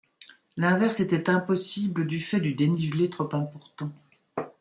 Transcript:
L'inverse était impossible du fait du dénivelé trop important.